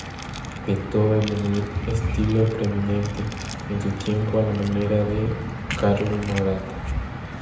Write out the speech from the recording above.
Pintó en el estilo preeminente de su tiempo, a la manera de Carlo Maratta.